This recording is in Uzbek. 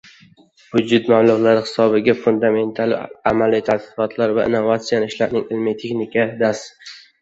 Byudjet mablag‘lari hisobiga fundamental, amaliy tadqiqotlar va innovatsion ishlarning ilmiy-texnika das